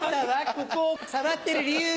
ここを触ってる理由が。